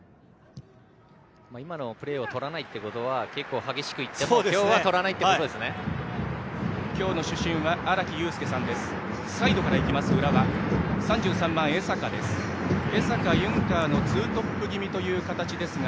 今のプレーをとらないってことは結構、激しく行っても今日はとらないってことですね。